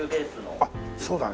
あっそうだね。